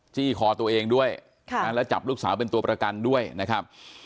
จี้คอตัวเองด้วยแล้วจับลูกสาวเป็นตัวประกันด้วยนะครับ